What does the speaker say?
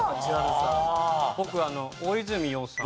僕大泉洋さん。